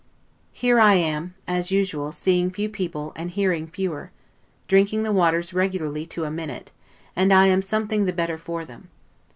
Here I am, as usual, seeing few people, and hearing fewer; drinking the waters regularly to a minute, and am something the better for them.